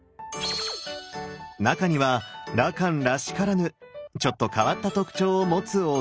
中には羅漢らしからぬちょっと変わった特徴を持つお像も。